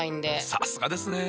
さすがですね。